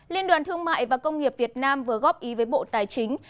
liên đoàn thương mại và công nghiệp việt nam vừa góp ý với bộ tài chính